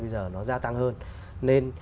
bây giờ nó gia tăng hơn nên